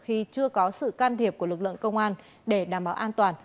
khi chưa có sự can thiệp của lực lượng công an để đảm bảo an toàn